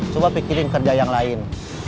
coba pikirin kerja yang lain